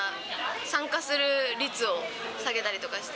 参加する率を下げたりとかして。